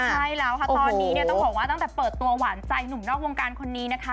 ใช่แล้วค่ะตอนนี้เนี่ยต้องบอกว่าตั้งแต่เปิดตัวหวานใจหนุ่มนอกวงการคนนี้นะคะ